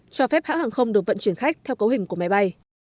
cho phép hãng hàng không được vận chuyển khách theo cấu hình của máy bay